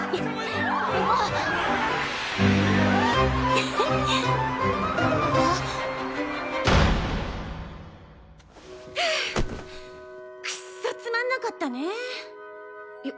ふふっあっはぁクッソつまんなかったねよ